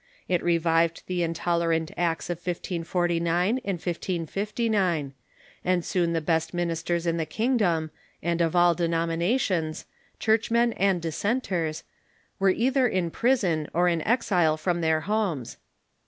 It revived the intolerant acts of 1549 and 1559; and soon the best minis ters in the kingdom, and of all denominations, churchmen and dissenters, were either in prison or in exile from their homes.